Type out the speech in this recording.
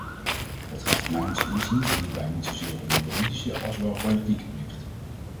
Het gaat mijns inziens hierbij niet zozeer om een juridische, als wel politieke plicht.